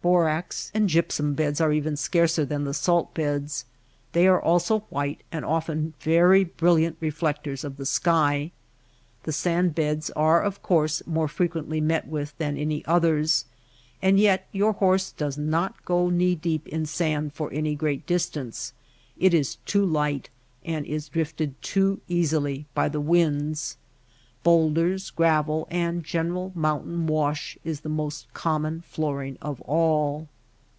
Borax and gypsum beds are even scarcer than the salt beds. They are also white and often very brilliant reflectors of the sky. The sand beds are, of course, more frequently met with than any others ; and yet your horse does not go knee deep in sand for any great distance. It is too light, and is drifted too easily by the winds. Bowlders, gravel, and general mountain wash is the most common flooring of all.